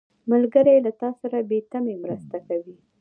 ملګری له تا سره بې تمې مرسته کوي